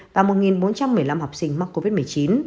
và một bốn trăm một mươi năm học sinh mắc covid một mươi chín